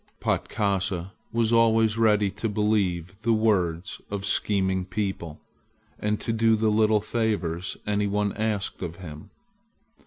Patkasa was always ready to believe the words of scheming people and to do the little favors any one asked of him.